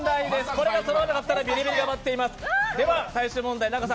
これでそろわなかったらビリビリが待っています。